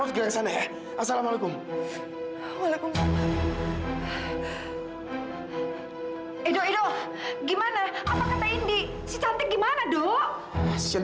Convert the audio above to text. tapi kak mila pengen banget